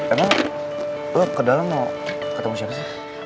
emang lo ke dalam mau ketemu siapa sih